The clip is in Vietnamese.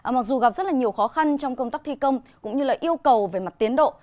mặc dù gặp rất là nhiều khó khăn trong công tác thi công cũng như yêu cầu về mặt tiến độ